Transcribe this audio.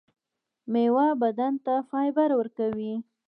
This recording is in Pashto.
میوه بدن ته فایبر ورکوي